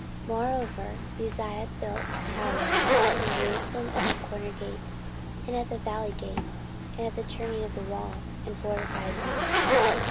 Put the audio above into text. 14:026:009 Moreover Uzziah built towers in Jerusalem at the corner gate, and at the valley gate, and at the turning of the wall, and fortified them.